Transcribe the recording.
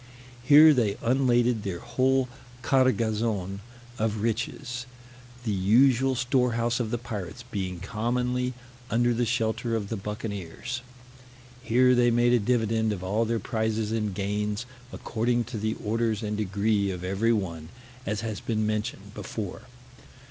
Here they unladed their whole cargazon of riches, the usual storehouse of the pirates being commonly under the shelter of the buccaneers. Here they made a dividend of all their prizes and gains, according to the orders and degree of every one, as has been mentioned before.